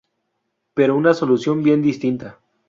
Pero una solución bien distinta.